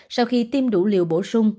sau khi tiêm đủ liều bổ sung